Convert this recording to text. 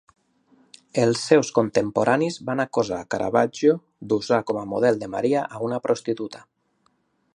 Els seus contemporanis van acusar Caravaggio d'usar com a model de Maria a una prostituta.